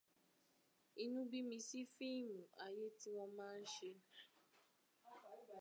Inú bí mi sí fíìmù ayé tí wón máa ń ṣe.